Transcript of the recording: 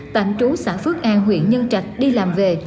tạm trú xã phước an huyện nhân trạch đi làm về